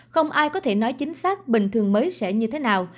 không ai có thể nói chính xác bình thường mới sẽ như thế nào